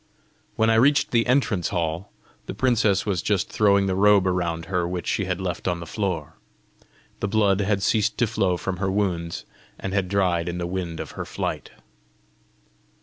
When I reached the entrance hall, the princess was just throwing the robe around her which she had left on the floor. The blood had ceased to flow from her wounds, and had dried in the wind of her flight.